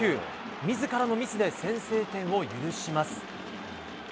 自らのミスで先制点を許します。